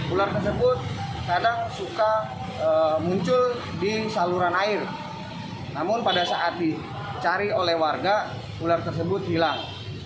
ular tersebut kadang suka muncul di saluran air namun pada saat dicari oleh warga ular tersebut hilang